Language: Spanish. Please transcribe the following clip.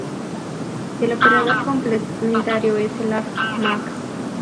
El operador complementario es el arg max.